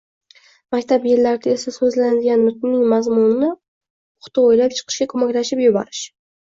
maktab yillarida esa so‘zlanadigan nutqning mazmunini puxta o‘ylab chiqishga ko‘maklashib yuborish